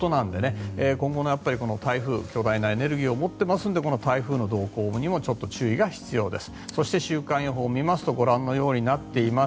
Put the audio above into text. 今後の台風、強大なエネルギーを持っていますので台風の動向にも注意が必要です。